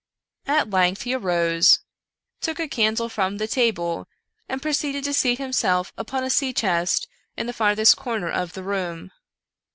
At length he arose, took a candle from the table, and proceeded to seat himself upon a sea chest in the farthest corner of the room.